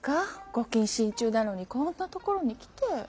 ご謹慎中なのにこんな所に来て。